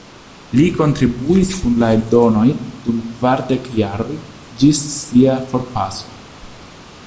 Li kontribuis kun la eldonoj dum kvardek jaroj, ĝis sia forpaso.